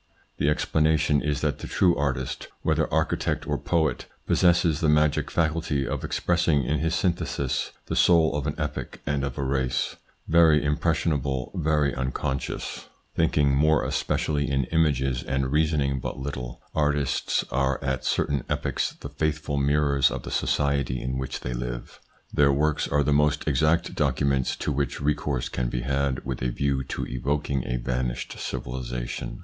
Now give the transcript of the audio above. The explanation is that the true artist, whether architect or poet, possesses the magic faculty of expressing in his syntheses the soul of an epoch and of a race. Very impressionable, very unconscious, ITS INFLUENCE ON THEIR EVOLUTION 77 thinking more especially in images, and reasoning but little, artists are at certain epochs the faithful mirrors of the society in which they live ; their works are the most exact documents to which recourse can be had with a view to evoking a vanished civilisation.